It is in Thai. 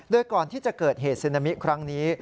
โดยก่อนที่จะเกิดเหตุซึนามิครั้งนี้